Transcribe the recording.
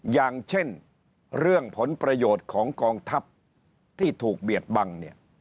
อย่างเช่นเรื่องผลประโยชน์ของกองทัพที่ถูกเบียดบังเนี่ย